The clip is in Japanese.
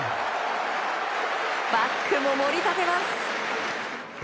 バックも盛り立てます。